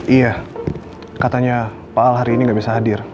iya katanya pak al hari ini nggak bisa hadir